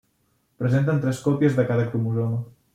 Presenten tres còpies de cada cromosoma.